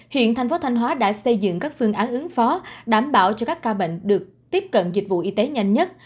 hiện thành phố thanh hóa đã xây dựng các phương án ứng phó đảm bảo cho các ca bệnh được tiếp cận dịch vụ y tế nhanh nhất